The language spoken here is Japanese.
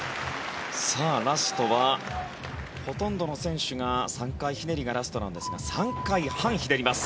ラストはほとんどの選手が３回ひねりがラストなんですが３回半ひねります。